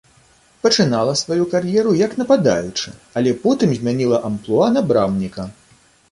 Пачынала сваю кар'еру як нападаючы, але потым змяніла амплуа на брамніка.